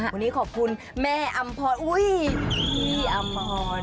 วันนี้ขอบคุณแม่อำพอธิ์อุ๊ยพี่อำพอธิ์